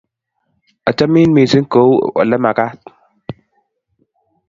Achamin missing' kou olemagat.